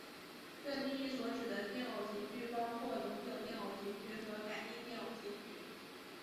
这定义所指的电偶极矩包括永久电偶极矩和感应电偶极矩。